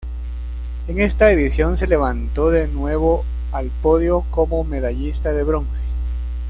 En esta edición, se levantó de nuevo al podio como medallista de bronce.